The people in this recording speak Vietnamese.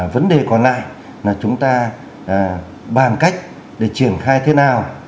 vấn đề còn lại là chúng ta bàn cách để triển khai thế nào